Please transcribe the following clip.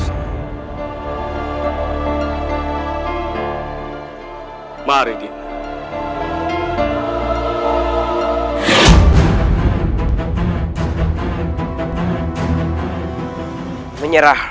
saya ingin meluas